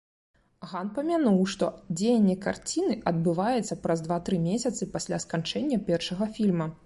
Ган памянуў, што дзеянне карціны адбываецца праз два-тры месяцы пасля сканчэння першага фільма.